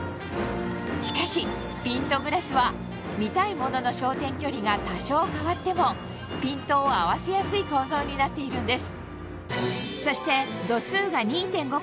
しかしピントグラスは見たいものの焦点距離が多少変わってもピントを合わせやすい構造になっているんです